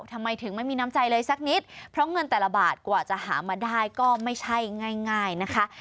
ทำไมถึงไม่มีน้ำใจเลยสักนิดเพราะเงินแต่ละบาทกว่าจะหามาได้ก็ไม่ใช่ง่ายนะคะ